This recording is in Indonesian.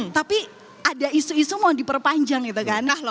tapi ada isu isu mau diperpanjang gitu kan